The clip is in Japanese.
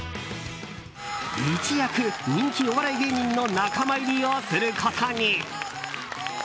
一躍、人気お笑い芸人の仲間入りをすることに。